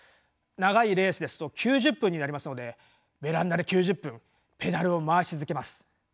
長いレースですと９０分になりますのでベランダで９０分ペダルを回し続けます。